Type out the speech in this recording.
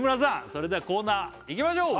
それではコーナーいきましょう